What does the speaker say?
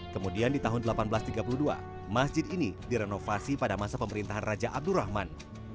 kemudian di tahun seribu delapan ratus tiga puluh dua masjid ini direnovasi pada masa pemerintahan raja abdurrahman